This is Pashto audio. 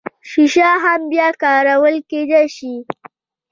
شیشه هم بیا کارول کیدی شي